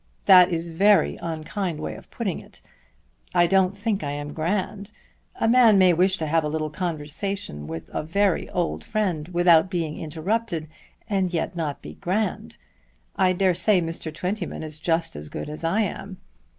"That is a very unkind way of putting it. I don't think I am grand. A man may wish to have a little conversation with a very old friend without being interrupted, and yet not be grand. I dare say Mr. Twentyman is just as good as I am."